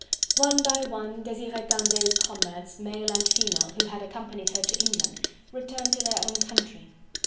One by one, Desiree Candeille's comrades, male and female, who had accompanied her to England, returned to their own country.